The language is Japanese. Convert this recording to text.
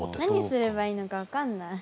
何すればいいのか分かんない。